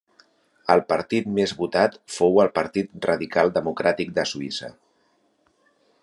El partit més votat fou el Partit Radical Democràtic de Suïssa.